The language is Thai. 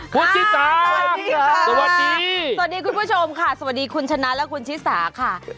คุณชิสาสวัสดีค่ะสวัสดีคุณผู้ชมค่ะสวัสดีคุณชนะและคุณชิสาค่ะ